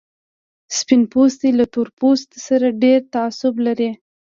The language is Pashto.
سپين پوستي له تور پوستو سره ډېر تعصب لري.